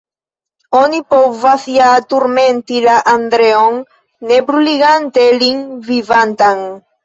Oni povas ja turmenti la Andreon, ne bruligante lin vivantan.